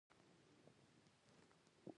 موږ باید یو ساتونکی نظام رامنځته کړو.